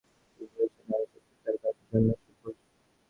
তিনি বর্ষিয়সী নারী চরিত্রে তার কাজের জন্য সুপরিচিত।